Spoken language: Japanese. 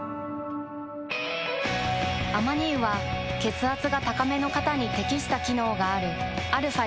アマニ油は血圧が高めの方に適した機能があるαー